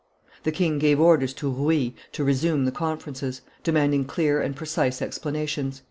The king gave orders to Rouille to resume the conferences, demanding clear and precise explanations.